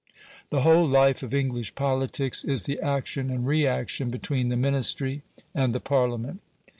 The whole life of English politics is the action and reaction between the Ministry and the Parliament.